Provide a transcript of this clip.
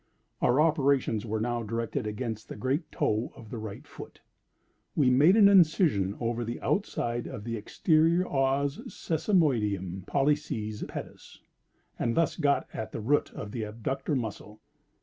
Our operations were now directed against the great toe of the right foot. We made an incision over the outside of the exterior os sesamoideum pollicis pedis, and thus got at the root of the abductor muscle.